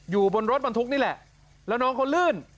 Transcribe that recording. อยู่บนรถบรรทุกนี่แหละแล้วน้องเขาลื่น